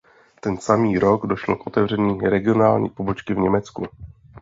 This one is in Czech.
Ten samý rok došlo k otevření regionální pobočky v Německu.